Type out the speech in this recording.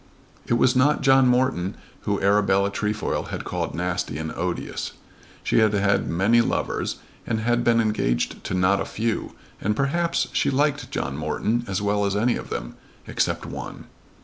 It was not John Morton whom Arabella Trefoil had called nasty and odious. She had had many lovers, and had been engaged to not a few, and perhaps she liked John Morton as well as any of them, except one.